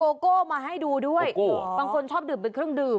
โกโก้มาให้ดูด้วยบางคนชอบดื่มเป็นเครื่องดื่ม